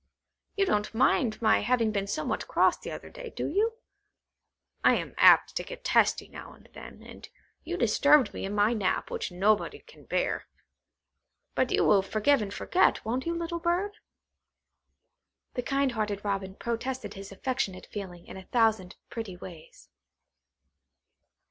You don't mind my having been somewhat cross the other day, do you? I am apt to get testy now and then, and you disturbed me in my nap, which nobody can bear. But you will forgive and forget, won't you, little bird?" The kind hearted Robin protested his affectionate feeling in a thousand pretty ways.